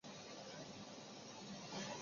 那时他到巴勒莫旅行。